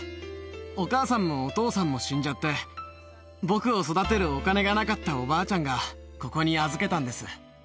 お母さんもお父さんも死んじゃって、僕を育てるお金がなかったおばあちゃんが、ここに預けたんです。